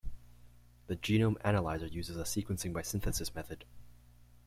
The Genome Analyzer uses a sequencing by synthesis method.